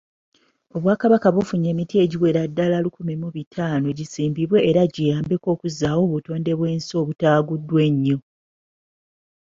Obwakabaka bufunye emiti egiwerera ddala lukumi mu bitaano gisimbibwe era giyambeko mukuzzaawo obutondebwensi okutaguddwa ennyo.